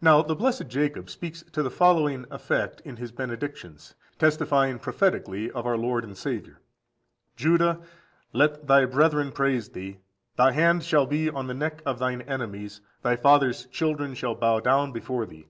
7. Now the blessed Jacob speaks to the following effect in his benedictions, testifying prophetically of our Lord and Saviour: "Judah, let thy brethren praise thee: thy hand shall be on the neck of thine enemies; thy father's children shall bow down before thee.